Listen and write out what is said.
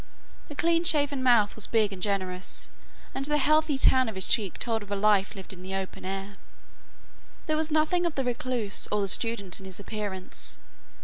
The clean shaven mouth was big and generous, and the healthy tan of his cheek told of a life lived in the open air. There was nothing of the recluse or the student in his appearance.